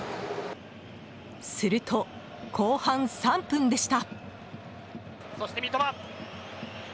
すると、後半３分でした。